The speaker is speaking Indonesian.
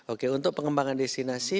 oke untuk pengembangan destinasi